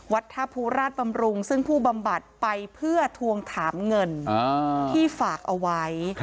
ท่าภูราชบำรุงซึ่งผู้บำบัดไปเพื่อทวงถามเงินที่ฝากเอาไว้